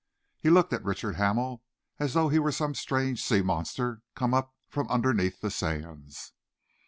He looked at Richard Hamel as though he were some strange sea monster come up from underneath the sands.